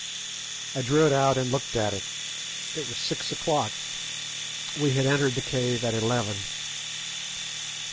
I drew it out, and looked at it. It was six o'clock; we had entered the cave at eleven.